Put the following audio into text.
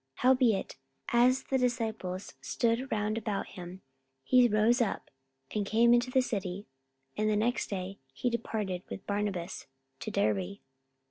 44:014:020 Howbeit, as the disciples stood round about him, he rose up, and came into the city: and the next day he departed with Barnabas to Derbe.